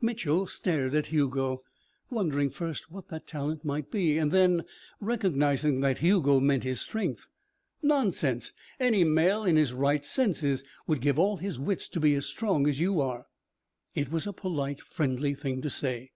Mitchel stared at Hugo, wondering first what that talent might be and then recognizing that Hugo meant his strength. "Nonsense. Any male in his right senses would give all his wits to be as strong as you are." It was a polite, friendly thing to say.